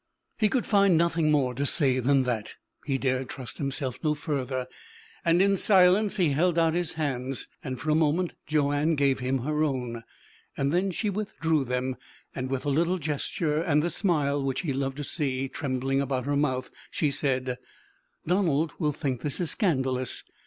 He could find nothing more to say than that. He dared trust himself no further, and in silence he held out his hands, and for a moment Joanne gave him her own. Then she withdrew them, and with a little gesture, and the smile which he loved to see trembling about her mouth, she said: "Donald will think this is scandalous.